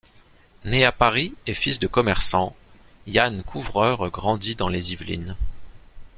Né à Paris et fils de commerçants, Yann Couvreur grandit dans les Yvelines.